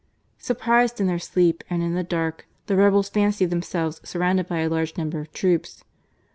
Surprised in their sleep and in the dark,, the rebels fancied themselves surrounded by a large number of troops.